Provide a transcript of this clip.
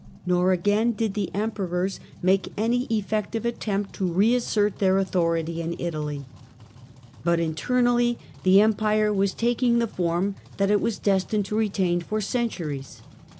Nor, again, did the emperors make any effective attempt to reassert their authority in Italy. But internally the Empire was taking the form that it was destined to retain for centuries.